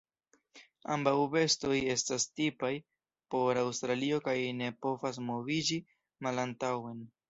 Ambaŭ bestoj estas tipaj por Aŭstralio kaj ne povas moviĝi malantaŭen.